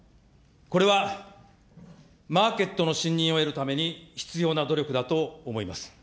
これはマーケットの信認を得るために必要な努力だと思います。